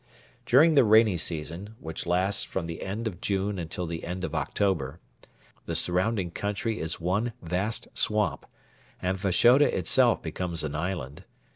During the rainy season, which lasts from the end of June until the end of October, the surrounding country is one vast swamp, and Fashoda itself becomes an island.